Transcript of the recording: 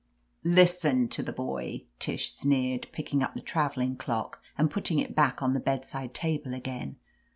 "Listen to the boy!" Tish sneered, picking up the traveling clock and putting it back on the bedside table again.